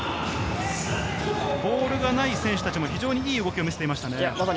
ボールがない選手たちも非常にいい動きを見せていましたね。